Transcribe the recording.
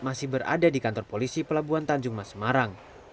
masih berada di kantor polisi pelabuhan tanjung mas semarang